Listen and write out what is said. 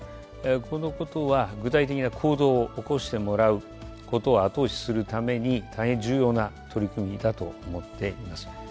このことは、具体的な行動を起こしてもらうことを後押しするために、大変重要な取り組みだと思っています。